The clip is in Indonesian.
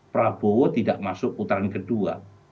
prabowo tidak masuk putaran kedua